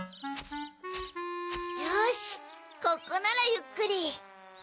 よしここならゆっくり。